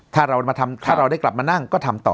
ถ้าเราได้กลับมานั่งก็ทำต่อ